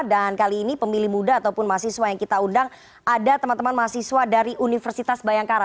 dan kali ini pemilih muda ataupun mahasiswa yang kita undang ada teman teman mahasiswa dari universitas bayangkara